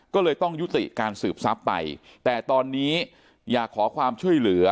ก็เลยต้องยุติการสืบทรัพย์ไปแต่ตอนนี้อยากขอความช่วยเหลือ